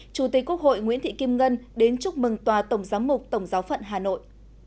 chủ tịch quốc hội nguyễn thị kim ngân đến chúc mừng tòa tổng giám mục tổng giáo phận hà nội